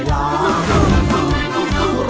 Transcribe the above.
ร้องได้ให้ร้าน